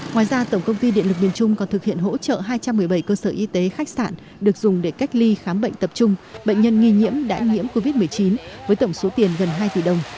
ngoài ra tổng công ty điện lực miền trung còn thực hiện hỗ trợ hai trăm một mươi bảy cơ sở y tế khách sạn được dùng để cách ly khám bệnh tập trung bệnh nhân nghi nhiễm đã nhiễm covid một mươi chín với tổng số tiền gần hai tỷ đồng